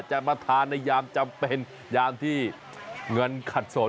มาทานในยามจำเป็นยามที่เงินขัดสน